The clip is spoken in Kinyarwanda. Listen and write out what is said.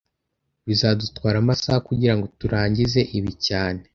Bizadutwara amasaha kugirango turangize ibi cyane